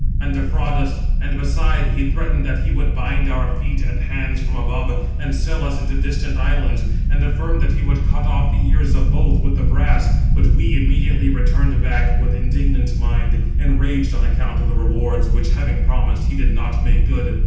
And beside, 686 he threatened that he would bind our feet and hands from above, and sell us into distant islands; and affirmed that he would cut off the ears of both with the brass: but we immediately returned back with indignant mind, enraged on account of the rewards which, having promised, he did not make good.